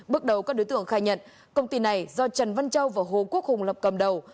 bước đầu các đối tượng khai nhận công ty này do trần văn châu và hồ quốc hùng lập cầm đầu